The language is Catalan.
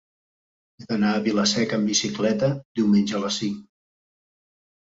He d'anar a Vila-seca amb bicicleta diumenge a les cinc.